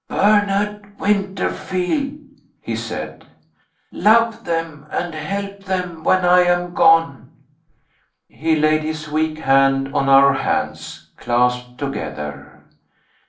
"Bernard Winterfield," he said, "love them, and help them, when I am gone." He laid his weak hand on our hands, clasped together.